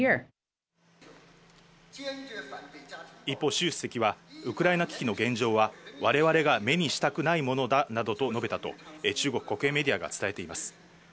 一方、習主席はウクライナ危機の現状は、われわれが目にしたくないものだなどと述べたと、中国国営メディアが伝えています。